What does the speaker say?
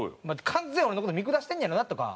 完全に俺の事見下してんねやろなとか。